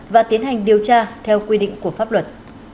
và tiến hành điều tra theo quy định của pháp luật